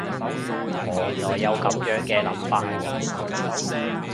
原來有噉樣嘅諗法